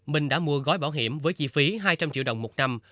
minh đã mua gói bảo hiểm với chi phí hai trăm linh triệu đồng một năm